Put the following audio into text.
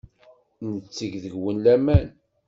Netteg deg-wen laman.